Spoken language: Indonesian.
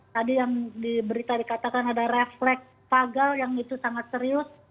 tadi yang diberita dikatakan ada refleks pagal yang itu sangat serius